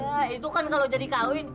ya itu kan kalau jadi kawin